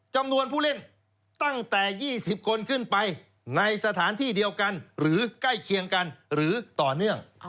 จำนวนผู้เล่นตั้งแต่๒๐คนขึ้นไปในสถานที่เดียวกันหรือใกล้เคียงกันหรือต่อเนื่อง